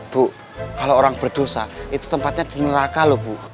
bu kalau orang berdosa itu tempatnya di neraka loh bu